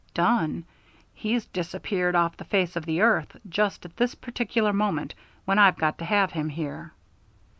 "Done? He's disappeared off the face of the earth just at this particular moment when I've got to have him here."